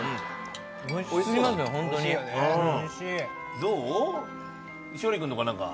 どう？